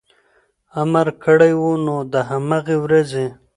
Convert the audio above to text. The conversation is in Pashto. امر کړی و، نو د هماغې ورځې